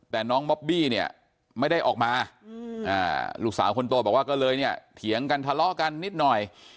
แต่น้องบอบบี้เนี่ยไม่ได้ออกมาลูกสาวคนโตบอกว่าก็เลยเนี่ยเถียงกันทะเลาะกันนิดหน่อย